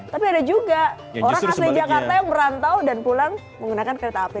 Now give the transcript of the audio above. tapi ada juga orang asli jakarta yang merantau dan pulang menggunakan kereta api